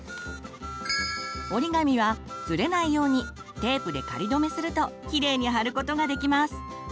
折り紙はズレないようにテープで仮止めするときれいに貼ることができます。